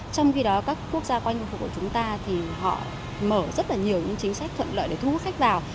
trong khi đó các quốc gia quanh khu vực của chúng ta thì họ mở rất là nhiều những chính sách thuận lợi để thu hút khách vào